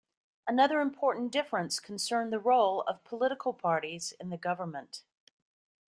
Another important difference concerned the role of political parties in the government.